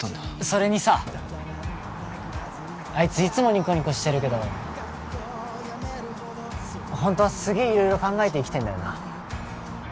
それにさあいついつもニコニコしてるけどホントはすげえ色々考えて生きてんだよな